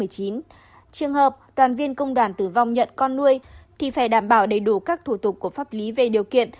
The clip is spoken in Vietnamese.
trường hợp đoàn viên công đoàn tử vong nhận con nuôi thì phải đảm bảo đầy đủ các thủ tục của pháp lý về điều kiện